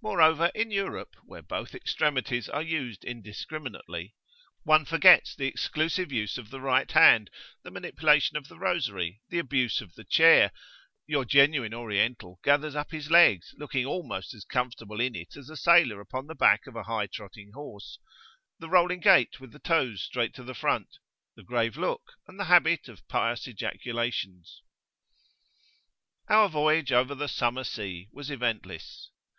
Moreover, in Europe, where both extremities are used indiscriminately, one forgets the exclusive use of the right hand, the manipulation of the rosary, the abuse of the chair, your genuine Oriental gathers up his legs, looking almost as comfortable in it as a sailor upon the back of a high trotting the rolling gait with the toes straight to the front, the grave look and the habit of pious ejaculations. Our voyage over the "summer sea" was eventless.